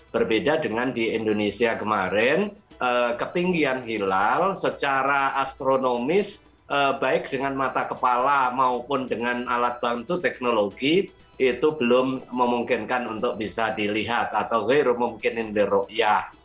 berbeda dengan di indonesia kemarin ketinggian hilal secara astronomis baik dengan mata kepala maupun dengan alat bantu teknologi itu belum memungkinkan untuk bisa dilihat atau memungkinkan di ru'yah